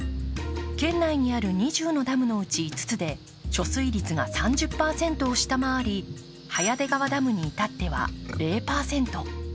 県内にある２０のダムのうち５つで貯水率が３０％を下回り早出川ダムにいたっては０％。